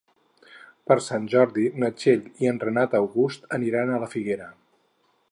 Per Sant Jordi na Txell i en Renat August aniran a la Figuera.